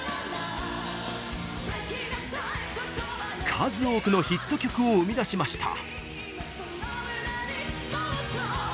数多くのヒット曲を生み出しました。